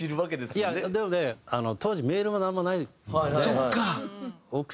でもね当時メールも何もないんで。